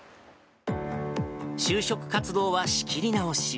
就職活動は仕切り直し。